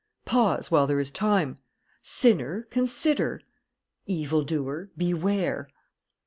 "Pause, while there is time!" "Sinner, consider!" "Evil doer, beware!"